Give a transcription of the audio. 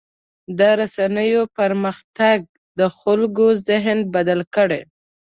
د رسنیو پرمختګ د خلکو ذهن بدل کړی.